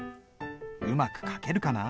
うまく書けるかな？